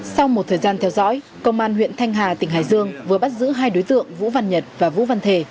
sau một thời gian theo dõi công an huyện thanh hà tỉnh hải dương vừa bắt giữ hai đối tượng vũ văn nhật và vũ văn thể